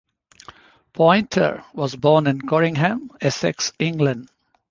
Poynter was born in Corringham, Essex, England.